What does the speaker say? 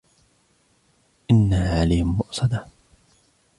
إنها عليهم مؤصدة